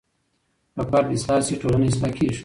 که فرد اصلاح شي ټولنه اصلاح کیږي.